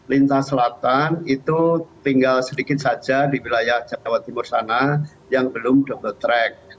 lintas selatan itu tinggal sedikit saja di wilayah jawa timur sana yang belum double track